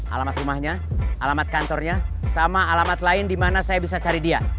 alamat rumahnya alamat kantornya sama alamat lain di mana saya bisa cari dia